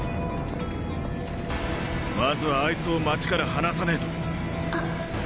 まずはあいつを街から離さねぇと。